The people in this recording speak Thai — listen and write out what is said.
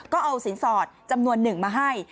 ก็เอาสินสอดจำนวนหนึ่งมาให้